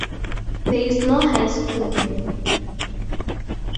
There is no high school there.